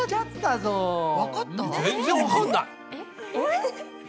えっ？